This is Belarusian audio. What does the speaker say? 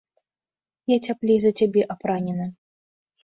Я цяплей за цябе апранены.